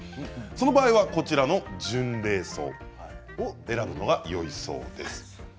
その場合は、こちらの準礼装を選ぶのがよいそうです。